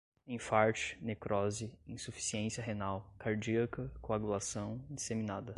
enfarte, necrose, insuficiência renal, cardíaca, coagulação, disseminada